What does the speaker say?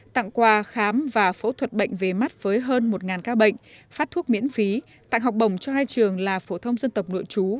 tặng quà khám và phẫu thuật bệnh về mắt với hơn một ca bệnh phát thuốc miễn phí tặng học bổng cho hai trường là phổ thông dân tộc nội chú